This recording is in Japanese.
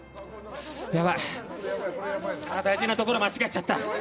大事なところ間違えちゃった。